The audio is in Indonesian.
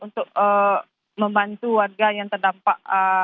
untuk membantu warga yang terdampak